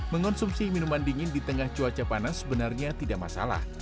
mengonsumsi minuman dingin di tengah cuaca panas sebenarnya tidak masalah